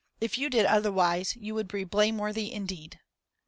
If you did otherwise, you would be blameworthy indeed."